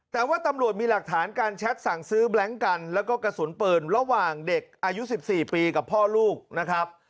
แต่ว่าตำรวจมีหลักฐานการแชทสั่งซื้อแบล็งกันแล้วก็กระสุนปืนระหว่างเด็กอายุ๑๔ปีกับพ่อลูกนะครับ